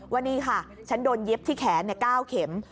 ว่านี่ค่ะฉันโดนเย็บที่แขน๙เข็ม